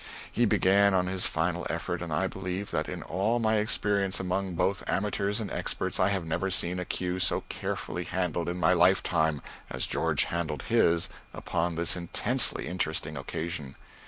He began on his final effort, and I believe that in all my experience among both amateurs and experts, I have never seen a cue so carefully handled in my lifetime as George handled his upon this intensely interesting occasion.